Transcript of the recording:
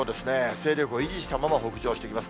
勢力を維持したまま、北上してきます。